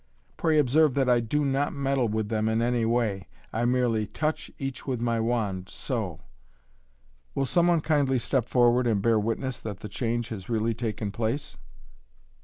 Pray observe that I do not meddle with them in any way. I merely touch each with my wand, bo ! Will some one kindly step forward, and bear witness that the change has really taken place.